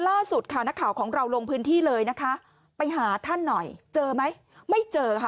ล่าสุดค่ะนักข่าวของเราลงพื้นที่เลยนะคะไปหาท่านหน่อยเจอไหมไม่เจอค่ะ